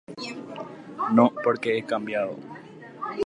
No porque he cambiado.